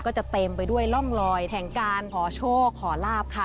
เต็มไปด้วยร่องลอยแห่งการขอโชคขอลาบค่ะ